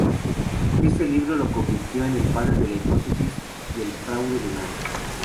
Este libro lo convirtió en el padre de la hipótesis del fraude lunar.